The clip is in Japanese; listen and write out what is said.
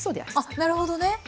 あっなるほどね！